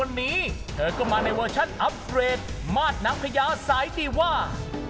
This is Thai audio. อัพเฟรดมาร์ทน้ำพระยาสายตีว่า